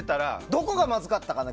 どこがまずかったかな。